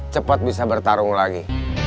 cepat bisa bertarung lagi